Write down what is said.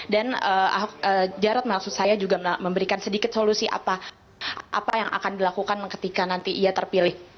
dan jarot maksud saya juga memberikan sedikit solusi apa yang akan dilakukan ketika nanti ia terpilih